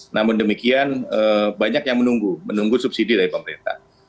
namun demikian banyak yang menunggu menunggu subsidi dari pemerintah